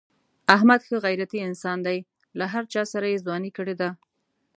احمد ښه غیرتی انسان دی. له هر چاسره یې ځواني کړې ده.